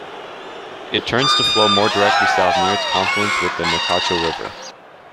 It turns to flow more directly south near its confluence with the Nechako River.